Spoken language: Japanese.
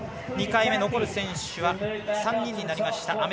２回目、残る選手は３人になりました。